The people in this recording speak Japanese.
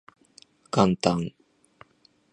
元旦